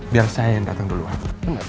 biar saya yang datang duluan